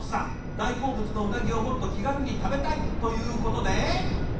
大好物のうなぎをもっと気軽に食べたいということで。